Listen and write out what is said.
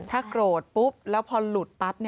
ถ้าโกรธปุ๊บแล้วพอหลุดปั๊บ